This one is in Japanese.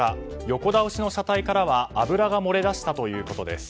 横倒しの車体からは油が漏れ出したということです。